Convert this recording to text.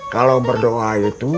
kalau berdoa itu